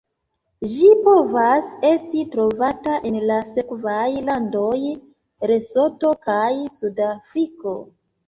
Ĝi povas esti trovata en la sekvaj landoj: Lesoto kaj Sudafriko.